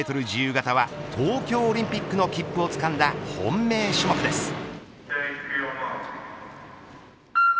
自由形は東京オリンピックの切符をつかんだ本命種目です。